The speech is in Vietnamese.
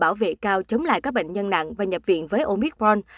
bảo vệ cao chống lại các bệnh nhân nặng và nhập viện với omicron